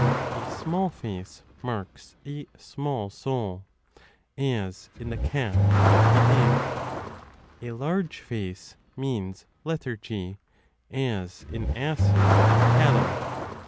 A small face marks a small soul, as 10 in the cat and the ape: a large face means lethargy, as in asses and cattle.